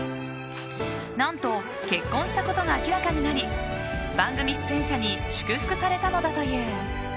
何と結婚したことが明らかになり番組出演者に祝福されたのだという。